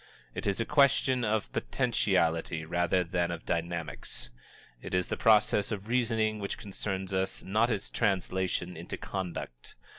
It is a question of Potentiality, rather than of Dynamics. It is the process of reasoning which concerns us, not its translation into conduct.